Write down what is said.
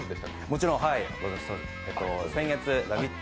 もちろん、先月ラヴィット！